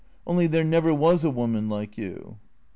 Only there never was a woman like you."